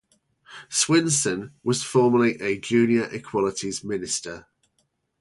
Swinson was formerly a junior Equalities Minister.